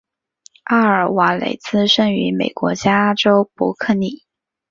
阿尔瓦雷茨生于美国加州伯克利。